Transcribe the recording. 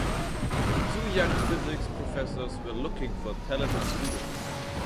The two young physics professors were looking for talented students.